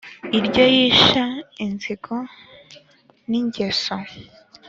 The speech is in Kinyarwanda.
iryo yisha inzigo ni ngeso